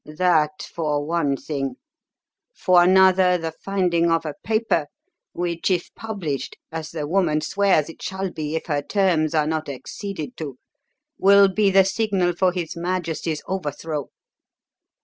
That, for one thing. For another, the finding of a paper, which, if published as the woman swears it shall be if her terms are not acceded to will be the signal for his Majesty's overthrow.